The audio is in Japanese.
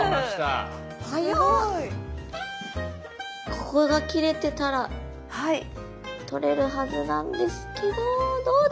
ここが切れてたら取れるはずなんですけどどうだ。